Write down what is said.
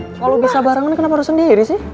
ih kalau bisa barengan kenapa lo sendiri sih